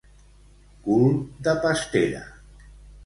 Cul de pastera.